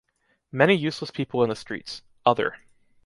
Many useless people in the streets - other